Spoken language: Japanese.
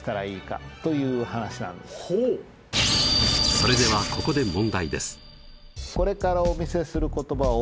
それではここで問題です。